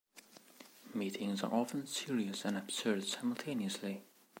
Meetings are often serious and absurd simultaneously.